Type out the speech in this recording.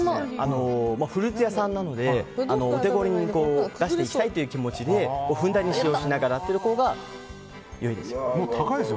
フルーツ屋さんなのでお手頃に出していきたいという気持ちでふんだんに使用しながらというところが良いです。